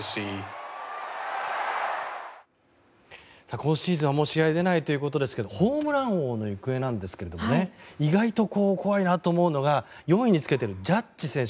今シーズンは、もう試合に出ないということですがホームラン王の行方なんですけども意外と怖いなと思うのが４位につけているジャッジ選手